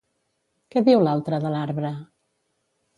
Què diu l'altre de l'arbre?